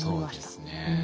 そうですね。